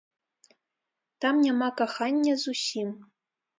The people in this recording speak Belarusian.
Там няма кахання зусім.